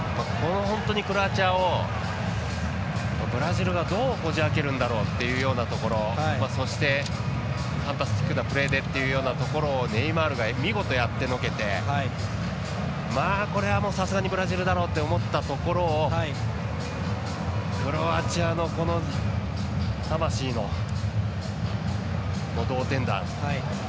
本当にクロアチアをブラジルがどう、こじ開けるんだろうというところそして、ファンタスティックなプレーでというところでネイマールが見事やってのけてまあ、これはさすがにブラジルだろうと思ったところをクロアチアの魂の同点弾。